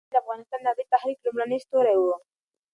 ابداليان د افغانستان د ازادۍ د تحريک لومړني ستوري وو.